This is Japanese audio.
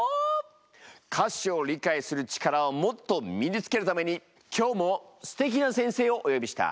歌詞を理解する力をもっと身につけるために今日もすてきな先生をお呼びした。